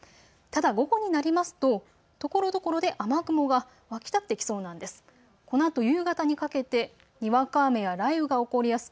ただ午後になりますとところどころで雨雲が湧き立ってきそうなんです。